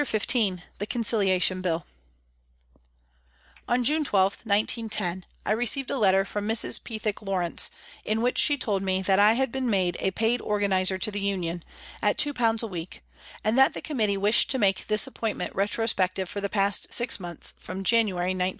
CHAPTER XV THE CONCILIATION BILL ON June 12, 1910, I received a letter from Mrs. Pethick Lawrence, in which she told me that I had been made a paid organizer to the Union, at 2 a week, and that the committee wished to make this appointment retrospective for the past six months from January, 1910.